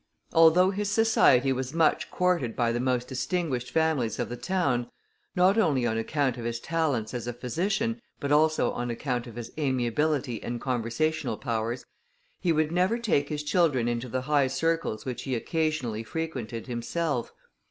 Although his society was much courted by the most distinguished families of the town, not only on account of his talents as a physician, but also on account of his amiability and conversational powers, he would never take his children into the high circles which he occasionally frequented himself.